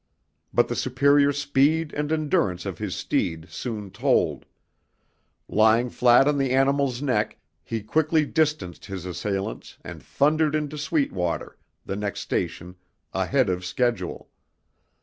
But the superior speed and endurance of his steed soon told; lying flat on the animal's neck, he quickly distanced his assailants and thundered into Sweetwater, the next station, ahead of schedule.